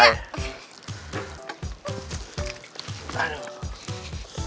iya sampai rumahnya